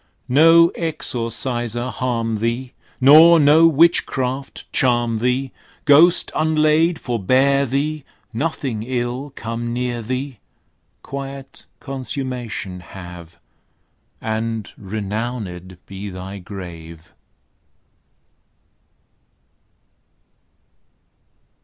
No exorciser harm thee! Nor no witchcraft charm thee! Ghost unlaid forbear thee! Nothing ill come near thee! Quiet consummation have; And renowned be thy grave!